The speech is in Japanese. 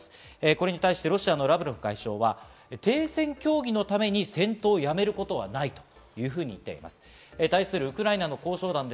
これに対してロシアのラブロフ外相は停戦協議のために戦闘をやめることはないと言っています。